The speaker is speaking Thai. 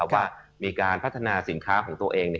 ว่ามีการพัฒนาสินค้าของตัวเอง